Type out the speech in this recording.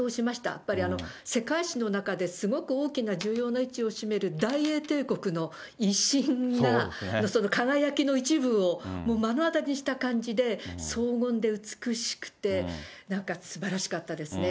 やっぱり、世界史の中で、すごく大きな重要な位置を占める大英帝国の威信が、輝きの一部を目の当たりにした感じで、荘厳で美しくて、すばらしかったげああいって、すばらしかったですね。